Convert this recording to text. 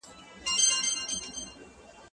زه پرون موبایل کاروم!؟